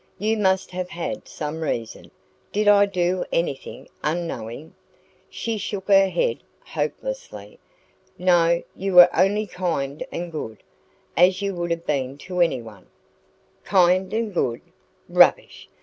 You must have had some reason. DID I do anything, unknowing " She shook her head hopelessly. "No. You were only kind and good, as you would have been to anyone." "Kind and good? Rubbish!